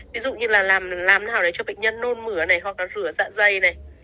ví dụ như là làm nào để cho bệnh nhân nôn mửa này hoặc là rửa dạ dây này